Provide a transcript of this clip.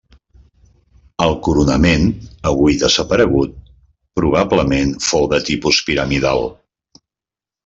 El coronament, avui desaparegut, probablement fou de tipus piramidal.